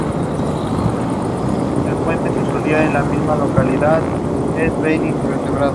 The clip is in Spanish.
Existe un número de formas extraordinarias reproducidas en las rocas del lago Onega.